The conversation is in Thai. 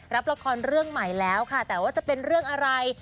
รับละครเรื่องใหม่แล้วค่ะแต่ว่าจะเป็นเรื่องอะไร